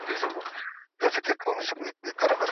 پرون مي غوښي